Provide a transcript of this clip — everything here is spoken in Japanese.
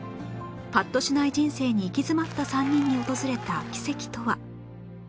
パッとしない人生に行き詰まった３人に訪れた奇跡とは？